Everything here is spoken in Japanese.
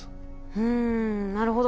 うんなるほど。